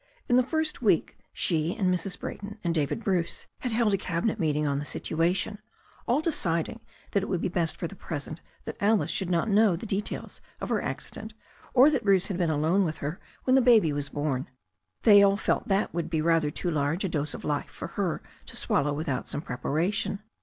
In the first week she and Mrs. Brayton and David Bruce had held a cabinet meet ing on the situation, all deciding that it would be best for the present that Alice should not know the details of her accident, or that Bruce had been alone with her when the baby was born. They all felt that would be rather too large a dose of life for her to swallow without some preparation.